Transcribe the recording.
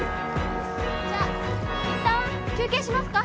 じゃあいったん休憩しますか。